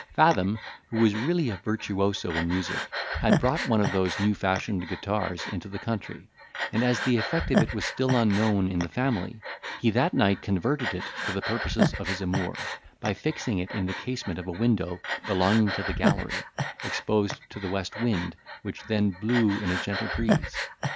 Fathom, who was really a virtuoso in music, had brought one of those new fashioned guitars into the country, and as the effect of it was still unknown in the family, he that night converted it to the purposes of his amour, by fixing it in the casement of a window belonging to the gallery, exposed to the west wind, which then blew in a gentle breeze.